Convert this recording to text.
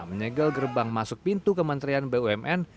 menyegel gerbang masuk pintu kementerian bumn